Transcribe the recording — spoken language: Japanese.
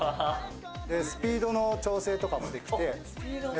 スピードの調整とかもできて。